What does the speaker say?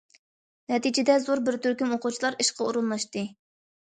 نەتىجىدە، زور بىر تۈركۈم ئوقۇغۇچىلار ئىشقا ئورۇنلاشتى.